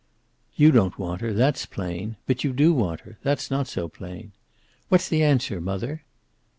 "You don't want her. That's plain. But you do want her. That's not so plain. What's the answer, mother?"